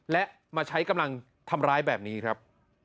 และมาใช้กำลังทำร้ายแบบนี้ครับ